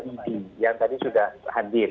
inti yang tadi sudah hadir